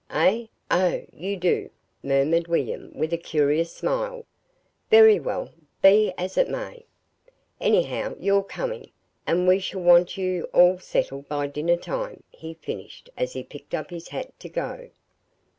"Eh? Oh, you do," murmured William, with a curious smile. "Very well; be that as it may. Anyhow, you're coming, and we shall want you all settled by dinner time," he finished, as he picked up his hat to go.